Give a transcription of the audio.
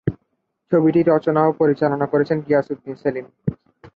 ছবিটি রচনা ও পরিচালনা করেছেন গিয়াস উদ্দিন সেলিম।